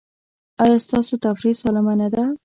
ایا ستاسو تفریح سالمه نه ده؟